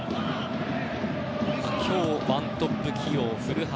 今日１トップ起用は古橋。